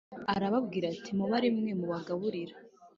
Arababwira ati Mube ari mwe mubagaburira